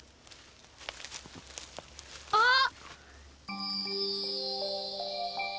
あっ！